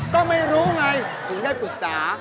ก็ไม่รู้ไงถึงได้ปรึกษา